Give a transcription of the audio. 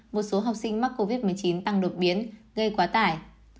một số học sinh mắc covid một mươi chín tăng đột biến gây quá tải